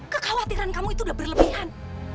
kekhawatiran kamu itu udah berlebihan